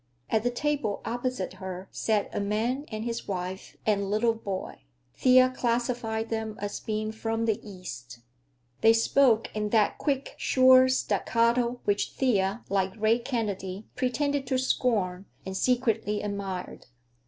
At the table opposite her sat a man and his wife and little boy—Thea classified them as being "from the East." They spoke in that quick, sure staccato, which Thea, like Ray Kennedy, pretended to scorn and secretly admired.